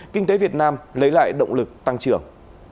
kinh tế việt nam lấy lại động lực tăng trưởng